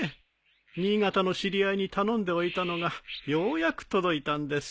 新潟の知り合いに頼んでおいたのがようやく届いたんです。